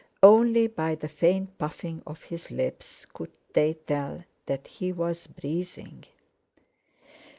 Only by the faint puffing of his lips could they tell that he was breathing.